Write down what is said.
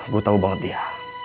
gue tau banget dia